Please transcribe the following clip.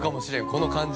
この感じ。